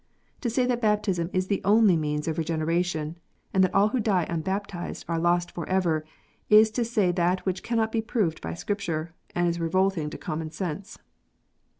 To say that baptism is the only means of regeneration, and that all who die unbaptized are lost for ever, is to say that which cannot be proved by Scripture, and is revolting to common sense.